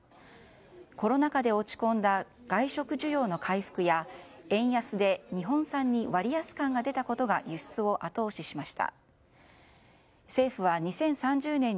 コロナ禍で落ち込んだ外食需要の回復や円安で日本産に割安感が出たことが輸出を後押ししました。